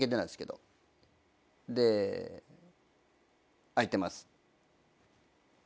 で「空いてます」